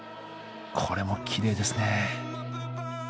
これもきれいですね。